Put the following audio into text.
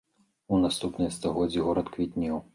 У наступныя стагоддзі горад квітнеў.